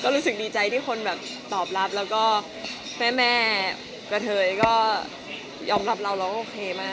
รู้สึกดีใจที่คนแบบตอบรับแล้วก็แม่กระเทยก็ยอมรับเราเราก็โอเคมาก